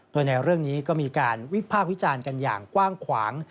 โดยในเรื่องนี้ก็มีการวิพากษ์วิจารณ์กันอย่างกว้างขวาง